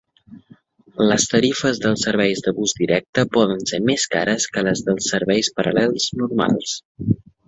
Les tarifes dels serveis de bus directe poden ser més cares que les dels serveis paral·lels normals.